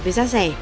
với giá rẻ